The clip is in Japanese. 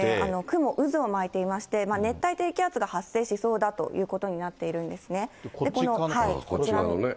雲、渦を巻いていまして、熱帯低気圧が発生しそうだということになっこっち側のかな。